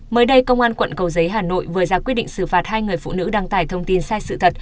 mới đây công an quận cầu giấy hà nội vừa ra quyết định xử phạt hai người phụ nữ đăng tải thông tin sai sự thật